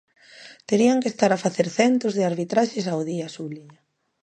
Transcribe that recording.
"Terían que estar a facer centos de arbitraxes ao día", subliña.